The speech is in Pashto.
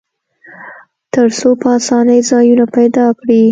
تر څو په آسانۍ ځایونه پیدا کړي.